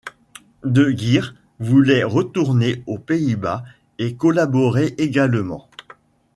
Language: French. De Geer voulait retourner aux Pays-Bas et collaborer également.